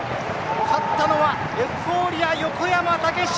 勝ったのはエフフォーリア横山武史。